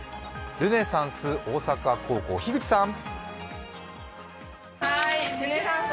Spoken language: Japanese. ルネサンス大阪高校、樋口さん。